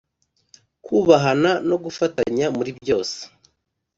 kubahana no gufatanya muri byose.